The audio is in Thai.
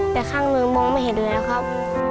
แต่ข้างหนูมองไม่เห็นอื่นครับ